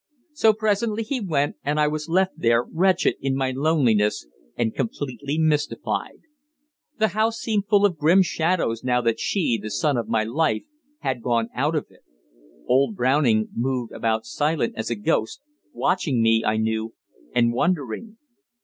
So presently he went, and I was left there wretched in my loneliness and completely mystified. The house seemed full of grim shadows now that she, the sun of my life, had gone out of it. Old Browning moved about silent as a ghost, watching me, I knew, and wondering.